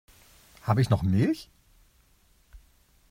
Habe ich noch Milch?